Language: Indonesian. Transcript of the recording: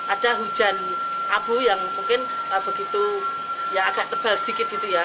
ada hujan abu yang mungkin begitu ya agak tebal sedikit gitu ya